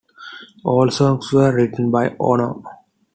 All songs were written by Ono.